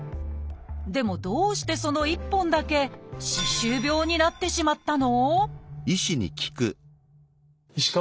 でもどうしてその１本だけ歯周病になってしまったの？